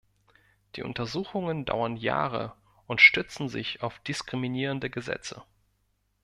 Die Untersuchungen dauern Jahre und stützen sich auf diskriminierende Gesetze.